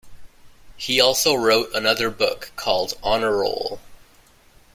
He also wrote another book called On a Roll.